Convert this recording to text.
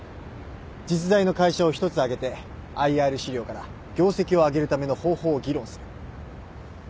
実在の会社を１つ挙げてＩＲ資料から業績を上げるための方法を議論する。